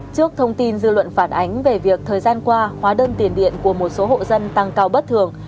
trước thông tin dư luận phản ánh về việc thời gian qua hóa đơn tiền điện của một số hộ dân tăng cao bất thường